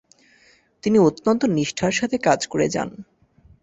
তিনি অত্যন্ত নিষ্ঠার সাথে কাজ করে যান।